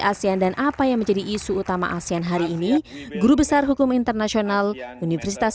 asean dan apa yang menjadi isu utama asean hari ini guru besar hukum internasional universitas